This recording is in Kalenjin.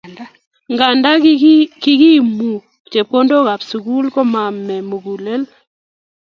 Nganda kiimu chepkondokab sukul komame mugulel